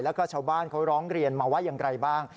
แล้วก็ชาวบ้านเขาร้องเรียนมาว่าอย่างไรบ้าง